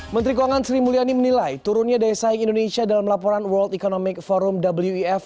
menteri keuangan sri mulyani menilai turunnya daya saing indonesia dalam laporan world economic forum wef